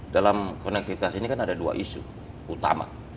dalam konektivitas ini kan ada dua isu utama